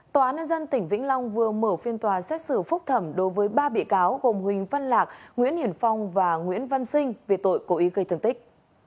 tòa án nhân dân tỉnh vĩnh long vừa mở phiên tòa xét xử phúc thẩm đối với ba bị cáo gồm huỳnh văn lạc nguyễn hiển phong và nguyễn văn sinh về tội cố ý gây thương tích